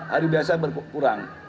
hari biasa berkurang